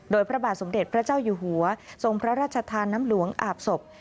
โดยพระบาทสมเด็จพระเจ้าอยู่หัวทรงพระราชทานน้ำหลวงอาบศพ